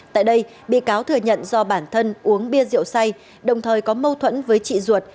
tại đây bị cáo thừa nhận do bản thân uống bia rượu say đồng thời có mâu thuẫn với chị ruột